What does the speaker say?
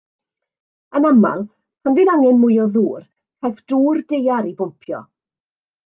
Yn aml, pan fydd angen mwy o ddŵr, caiff dŵr daear ei bwmpio.